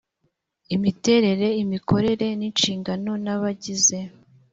imiterere imikorere inshingano n abagize